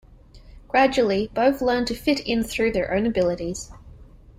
Gradually, both learn to fit in through their own abilities.